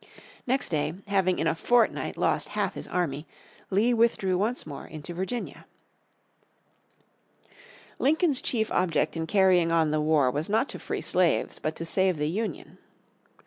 Next day, having in a fortnight lost half his army, Lee withdrew once more into Virginia. Lincoln's chief object in carrying on the war was not to free slaves, but to save the Union.